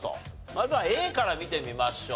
まずはＡから見てみましょう。